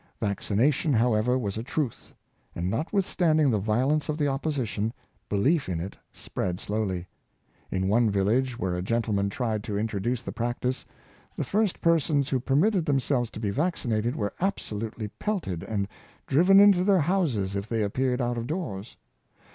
Vaccination, hovv^ever, was a truth,, and, notwithstanding the violence of the opposition, belief in it spread slowly. In one village, where a gentleman tried to introduce the practice, the first persons who per mitted themselves to be vaccinated were absolutely pelt ed and driven into their houses if they appeared out of doors.